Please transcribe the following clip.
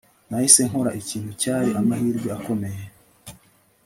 nahise nkora ikintu cyari amahirwe akomeye